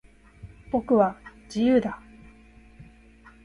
僕は、自由だ。